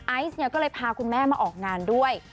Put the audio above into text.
ไอซ์เนี่ยก็เลยพาคุณแม่มาออกงานด้วย